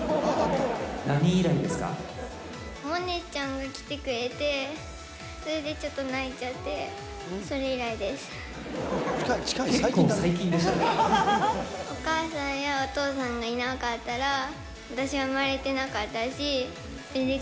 萌音ちゃんが来てくれて、それでちょっと泣いちゃって、結構、最近でしたね。